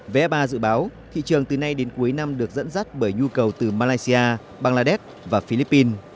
vfa dự báo thị trường từ nay đến cuối năm được dẫn dắt bởi nhu cầu từ malaysia bangladesh và philippines